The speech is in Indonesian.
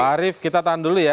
arief kita tahan dulu ya